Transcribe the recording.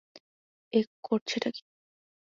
এ করছেটা কী?